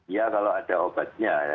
ya kalau ada obatnya